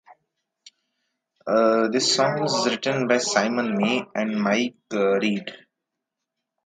The song was written by Simon May and Mike Read.